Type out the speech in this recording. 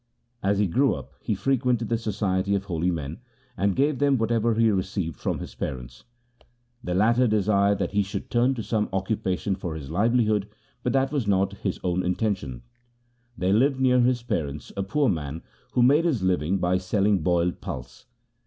As he grew up he frequented the society of holy men, and gave them whatever he received from his parents. The latter desired that he should turn to some occupation for his livelihood, but that was not his own intention. There lived near his parents a poor man who made his living by selling boiled pulse.